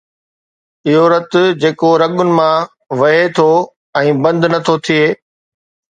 اهو رت جيڪو رڳن مان وهي ٿو ۽ بند نٿو ٿئي